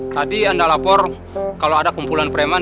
tadi anda lapor kalau ada kumpulan preman